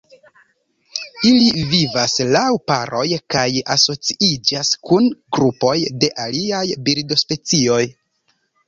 Ili vivas laŭ paroj kaj asociiĝas kun grupoj de aliaj birdospecioj.